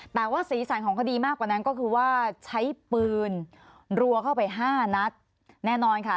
แต่ว่าสีสันของคดีมากกว่านั้นก็คือว่าใช้ปืนรัวเข้าไปห้านัดแน่นอนค่ะ